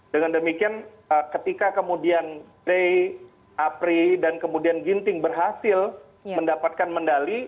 dengan demikian ketika kemudian gray apri dan kemudian ginting berhasil mendapatkan medali